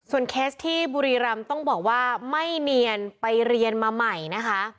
เคสที่บุรีรำต้องบอกว่าไม่เนียนไปเรียนมาใหม่นะคะ